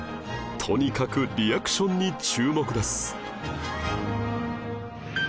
とにかくリアクションに注目です